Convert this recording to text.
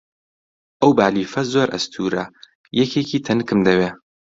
ئەو بالیفە زۆر ئەستوورە، یەکێکی تەنکم دەوێ.